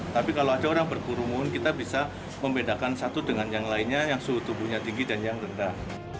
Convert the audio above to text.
tapi kalau ada orang berkurungun kita bisa membedakan satu dengan yang lainnya yang suhu tubuhnya tinggi dan yang rendah